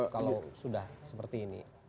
kalau sudah seperti ini